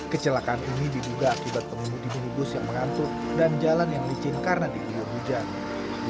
kecelakaan ini diduga akibat penyumbu di minibus yang merantut dan jalan yang licin karena dihidup hujan